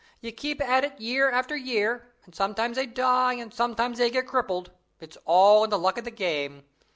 You keep at it year after year, and sometimes they die, and sometimes they get crippled it's all in the luck of the game.